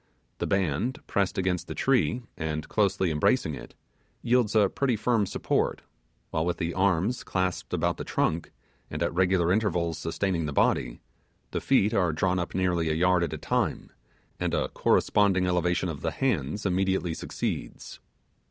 The band pressed against the tree, and closely embracing it, yields a pretty firm support; while with the arms clasped about the trunk, and at regular intervals sustaining the body, the feet are drawn up nearly a yard at a time, and a corresponding elevation of the hands immediately succeeds.